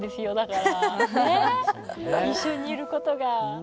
一緒にいることが。